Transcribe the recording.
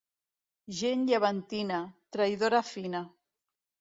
Gent llevantina, traïdora fina.